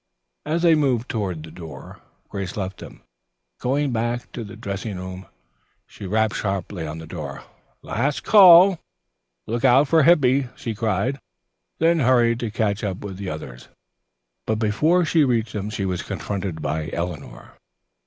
As they moved toward the door, Grace left them. Going back to the dressing room, she rapped sharply on the door. "Last call! Look out for Hippy!" she cried, then hurried to catch up with the others. But before she reached them she was confronted by Eleanor.